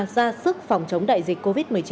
ra sức phòng chống đại dịch covid một mươi chín